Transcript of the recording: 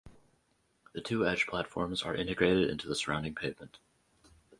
The two edge platforms are integrated into the surrounding pavement.